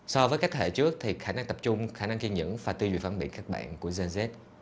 so với các thế hệ trước thì khả năng tập trung khả năng kiên nhẫn và tư duyệt phản biệt các bạn của gen z